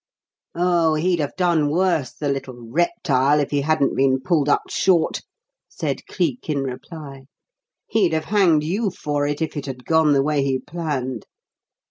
"Oh, he'd have done worse, the little reptile, if he hadn't been pulled up short," said Cleek in reply. "He'd have hanged you for it, if it had gone the way he planned.